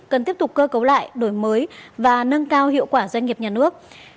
cần tiếp tục cơ cấu lại đổi mới và nâng cao hiệu quả doanh nghiệp nhà nước